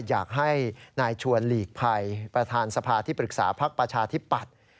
อยากให้นายชวนหลีกภัยประธานสภาที่ปรึกษาพักประชาธิปัตย์